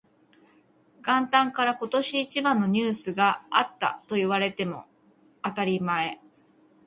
元旦から今年一番のニュースがあったと言われても当たり前